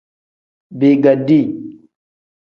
Bigaadi.